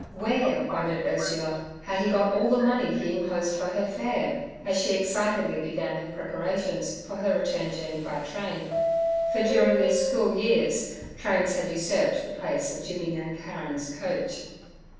Where, wondered Ursula, had he got all the money he enclosed for her fare? as she excitedly began her preparations for her return journey by train, for during these school years trains had usurped the place of Jimmy Nancarron's coach.